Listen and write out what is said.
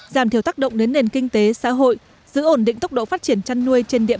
giảm thiểu tác động đến nền kinh tế xã hội giữ ổn định tốc độ phát triển chăn nuôi trên địa